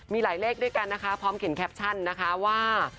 มีหลายเลขด้วยกันนะคะพร้อมเขียนแคปชั่นนะคะว่า